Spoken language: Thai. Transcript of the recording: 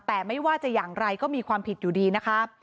แต่ไม่ว่าจะอย่างไรก็มีความผิดอยู่ดีนะคะ